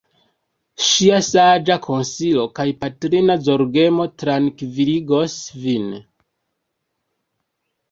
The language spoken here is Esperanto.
Ŝia saĝa konsilo kaj patrina zorgemo trankviligos vin.